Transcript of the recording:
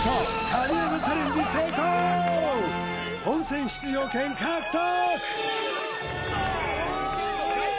見事本戦出場権獲得！